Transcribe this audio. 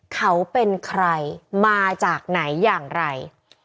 เขาเป็นใครมาจากไหนอย่างไร